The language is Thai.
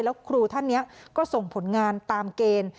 แล้วครูท่านนี้ก็ส่งผลงานตามเกณฑ์